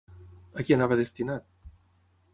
A qui anava destinat?